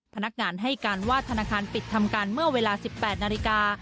พนักงานให้การว่าธนาคารปิดทำการเมื่อเวลา๑๘นาฬิกา